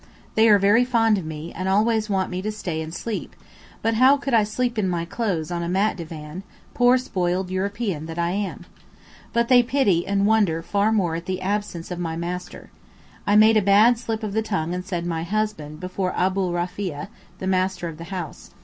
They are very fond of me, and always want me to stay and sleep, but how could I sleep in my clothes on a mat divan, poor spoiled European that I am? But they pity and wonder far more at the absence of my 'master.' I made a bad slip of the tongue and said 'my husband' before Abdul Rafiah, the master of the house.